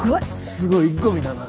すごいゴミだな。